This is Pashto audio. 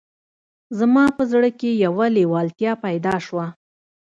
زما په زړه کې یوه لېوالتیا پیدا شوه